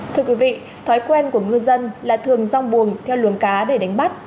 thưa quý vị thói quen của ngư dân là thường rong buồng theo luồng cá để đánh bắt